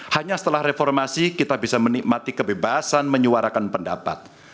hanya setelah reformasi kita bisa menikmati kebebasan menyuarakan pendapat